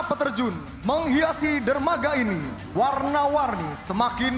peterjun menghiasi dermaga ini warna warni semakin